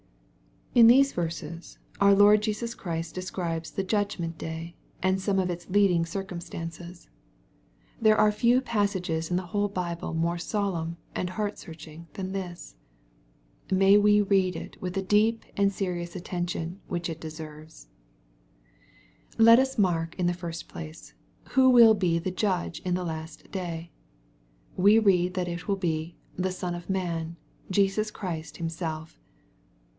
In these verses our Lord Jesus Christ describes the judgment day, and some of its leading circumstanoes. MATTHEW, GHAP. XXV. 341 There are few passages in the whole Bihle more solemn and heart searching than this. May we read it with the deep and serious attention which it deserves. Let us mark in the &st place, who will he the Judge in the last day. We read that it will be " the Son of Man,'' Jesus Christ Himself.